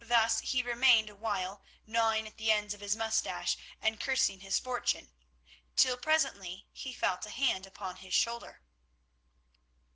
Thus he remained a while gnawing at the ends of his moustache and cursing his fortune, till presently he felt a hand upon his shoulder.